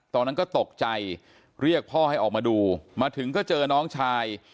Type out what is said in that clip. ตอนนั้นก็ตกใจเรียกพ่อให้ออกมาดูมาถึงก็เจอน้องชาย